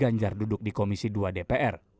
ganjar duduk di komisi dua dpr